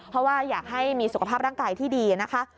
เพราะว่าอยากให้มีสุขภาพร่างกายที่ดีนะคะ